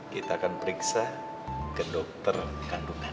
kita akan periksa ke dokter kandungan